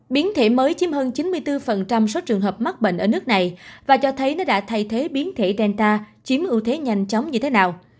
biến thể mới chiếm hơn chín mươi bốn số trường hợp mắc bệnh ở nước này và cho thấy nó đã thay thế biến thể delta chiếm ưu thế nhanh chóng như thế nào